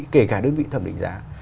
kể cả đơn vị thẩm định giá